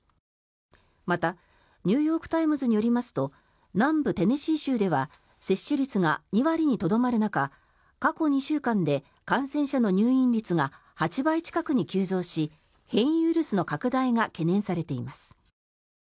また、ニューヨーク・タイムズによりますと南部テネシー州では接種率が２割にとどまる中過去２週間で感染者の入院率が８倍近くに急増し変異ウイルスの拡大が懸念されています。